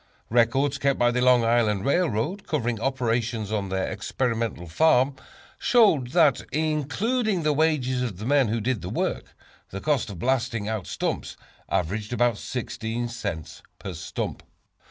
Records kept by the Long Island Railroad, covering operations on their Experimental Farm, showed that, including the wages of the men who did the work, the cost of blasting out stumps averaged about 16 cents per stump.